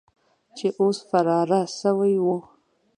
چې اوس فراره سوي وو.